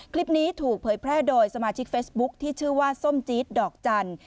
คลิปนี้ถูกเผยแพร่โดยสมาชิกเฟซบุ๊คที่ชื่อว่าส้มจี๊ดดอกจันทร์